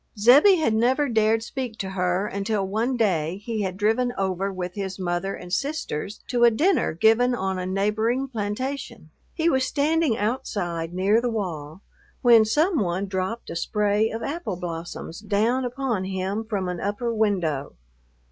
Zebbie had never dared speak to her until one day he had driven over with his mother and sisters to a dinner given on a neighboring plantation. He was standing outside near the wall, when some one dropped a spray of apple blossoms down upon him from an upper window.